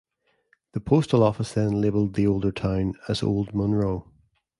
The postal office then labeled the older town as Old Monroe.